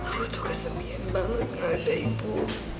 aku tuh kesenian banget gak ada ibu